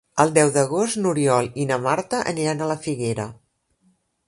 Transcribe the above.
El deu d'agost n'Oriol i na Marta aniran a la Figuera.